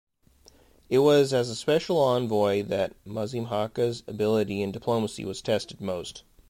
It was as a Special Envoy that Mazimhaka's ability in diplomacy was tested most.